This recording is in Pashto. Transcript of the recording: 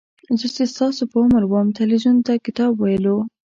زه چې ستاسو په عمر وم تلویزیون ته کتاب ویلو.